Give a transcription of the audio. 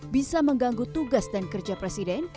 bisa mengganggu tugas dan kerja presiden